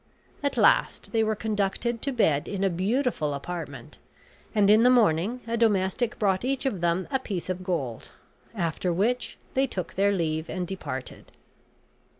At last they were conducted to bed in a beautiful apartment; and in the morning a domestic brought each of them a piece of gold, after which they took their leave and departed.